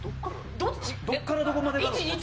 どっからどこまでが肋骨？